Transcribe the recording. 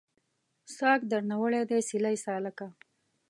ساګ درنه وړی دی سیلۍ سالکه